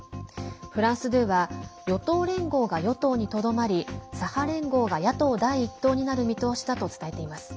フランス２は与党連合が与党にとどまり左派連合が野党第１党になる見通しだと伝えています。